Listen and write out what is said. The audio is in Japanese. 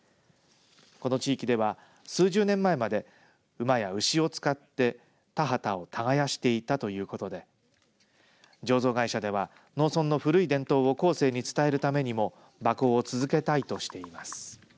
この地域では数十年前まで馬や牛を使って田畑を耕していたということで醸造会社では農村の古い伝統を後世に伝えるためにも馬耕を続けたいとしています。